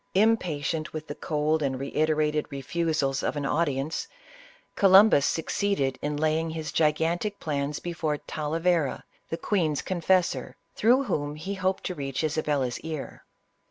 Impatient with the cold and reiterated refusals of an 5 98 ISABELLA OF CASTILE. audience, Columbus succeeded in laying his gigantic plans before Talavera, the queen's confessor, through whom he hoped to reach Isabella's ear.